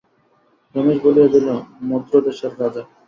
রমেশ বলিয়া দিল, মদ্রদেশের রাজা।